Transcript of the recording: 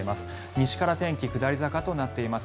西から天気下り坂となっています